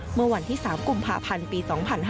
เมื่อวันที่๓กุมภาพันธ์ปี๒๕๕๙